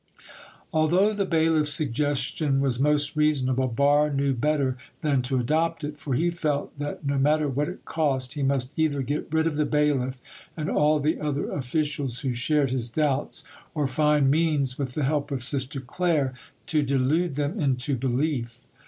Although the bailiff's suggestion was most reasonable, Barre knew better than to adopt it, for he felt that no matter what it cost he must either get rid of the bailiff and all the other officials who shared his doubts, or find means with the help of Sister Claire to delude them into belief.